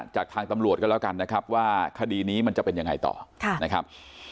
จากทางตำรวจกันแล้วกันนะครับว่าคดีนี้มันจะเป็นยังไงต่อนะครับ